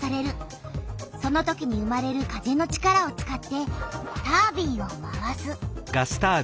そのときに生まれる風の力を使ってタービンを回す。